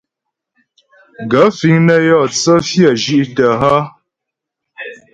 Gaə̂ fíŋ nə́ yó tsə́ fyə́ zhí'tə́ hə́ ?